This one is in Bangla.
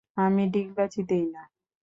আমি ডিগবাজি দেই না।